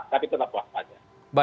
tapi tetap waspada